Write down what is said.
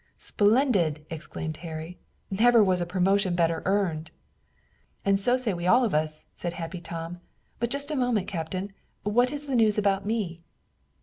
'" "Splendid!" exclaimed Harry. "Never was a promotion better earned!" "And so say we all of us," said Happy Tom. "But just a moment, Captain. What is the news about me?"